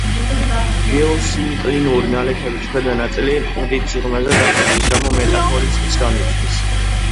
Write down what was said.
გეოსინკლინური ნალექების ქვედა ნაწილი დიდ სიღრმეზე დაძირვის გამო მეტამორფიზმს განიცდის.